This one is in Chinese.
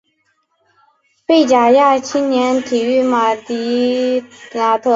贝贾亚青年体育马迪纳特俱乐部是位于阿尔及利亚贝贾亚的职业足球俱乐部。